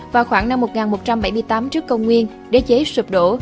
vào khoảng năm một nghìn một trăm bảy mươi tám trước công nguyên đế chế sụp đổ